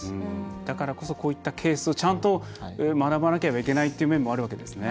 だからこそこういったケースをちゃんと学ばなければいけないという面もあるわけですね。